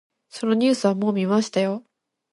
そのニュースはもう見ましたよ。